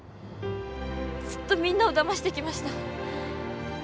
ずっとみんなをだましてきました